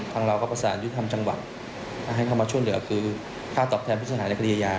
ทางเราก็ประสานยุทธรรมจังหวังให้เขามาช่วงเหลือคือค่าตอบแทนพิจารณาในคดียา